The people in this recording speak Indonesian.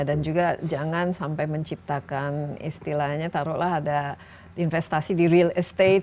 dan juga jangan sampai menciptakan istilahnya taruhlah ada investasi di real estate